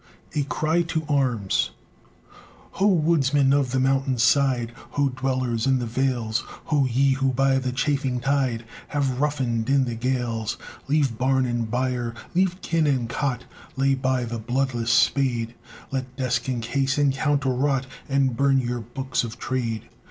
A CRY TO ARMS Ho, woodsmen of the mountain side! Ho, dwellers in the vales! Ho, ye who by the chafing tide Have roughened in the gales! Leave barn and byre, leave kin and cot, Lay by the bloodless spade; Let desk and case and counter rot, And burn your books of trade!